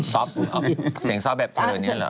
ซอฟเสียงซอฟแบบเท่านี้เหรอ